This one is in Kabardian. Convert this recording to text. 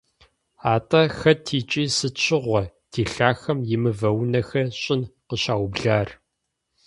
АтIэ хэт икIи сыт щыгъуэ ди лъахэм и мывэ унэхэр щIын къыщаублар?